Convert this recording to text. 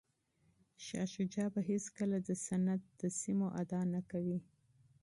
شاه شجاع به هیڅکله د سند د سیمو ادعا نه کوي.